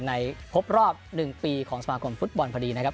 ครบรอบ๑ปีของสมาคมฟุตบอลพอดีนะครับ